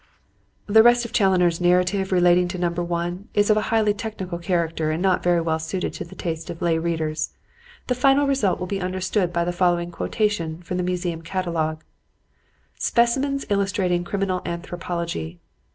The rest of Challoner's narrative relating to Number One is of a highly technical character and not very well suited to the taste of lay readers. The final result will be understood by the following quotation from the museum catalogue: "Specimens Illustrating Criminal Anthropology.